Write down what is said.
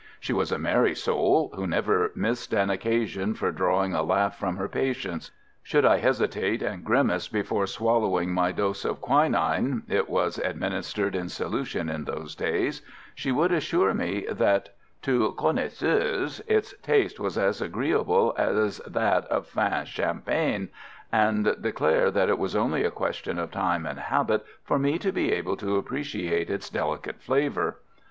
She was a merry soul, who never missed an occasion for drawing a laugh from her patients. Should I hesitate and grimace before swallowing my dose of quinine it was administered in solution in those days she would assure me that to connaisseurs its taste was as agreeable as that of fin champagne, and declare that it was only a question of time and habit for me to be able to appreciate its delicate flavour.